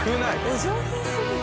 お上品すぎる。